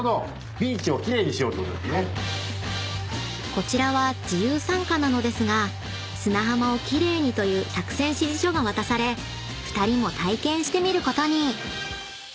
［こちらは自由参加なのですが砂浜を奇麗にという作戦指示書が渡され２人も体験してみることに］